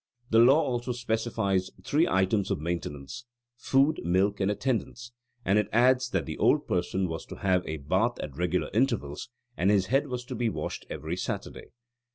The law also specifies three items of maintenance food, milk, and attendance; and it adds that the old person was to have a bath at regular intervals, and his head was to be washed every Saturday.